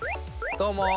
どうも！